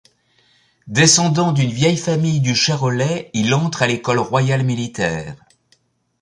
Descendant d'une vieille famille du Charolais, il entre à l'école royale militaire.